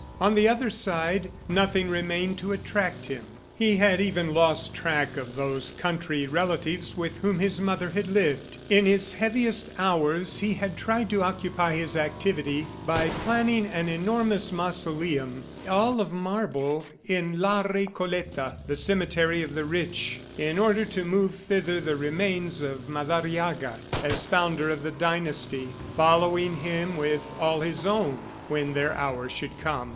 On the other side, nothing remained to attract him. He had even lost track of those country relatives with whom his mother had lived. In his heaviest hours he had tried to occupy his activity by planning an enormous mausoleum, all of marble, in La Recoleta, the cemetery of the rich, in order to move thither the remains of Madariaga as founder of the dynasty, following him with all his own when their hour should come.